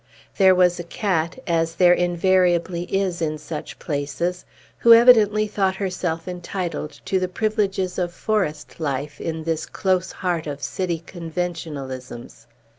There was a cat as there invariably is in such places who evidently thought herself entitled to the privileges of forest life in this close heart of city conventionalisms.